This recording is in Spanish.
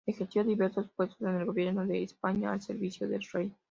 Ejerció diversos puestos en el gobierno de España al servicio del rey.